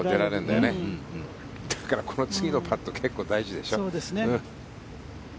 だからこの次のパット結構大事ですよ。